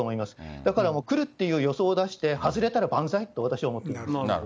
だからもう、来るっていう予想を出して、外れたら万歳って、私は思っています。